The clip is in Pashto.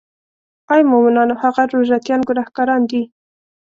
آی مومنانو هغه روژه تیان ګناهګاران دي.